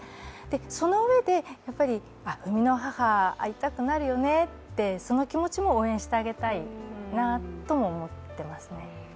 そのうえで、生みの母会いたくなるよねってその気持ちも応援してあげたいなとも思ってますね。